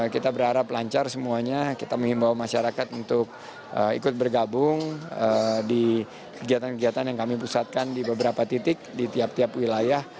kita berharap lancar semuanya kita mengimbau masyarakat untuk ikut bergabung di kegiatan kegiatan yang kami pusatkan di beberapa titik di tiap tiap wilayah